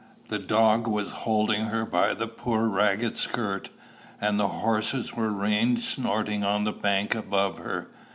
The dog was holding her by the poor ragged skirt, and the horses were reined snorting on the bank above her.